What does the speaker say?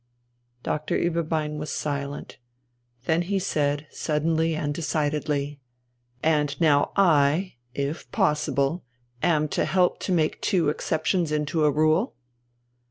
Doctor Ueberbein was silent. Then he said suddenly and decidedly, "And now I, if possible, am to help to make two exceptions into a rule?"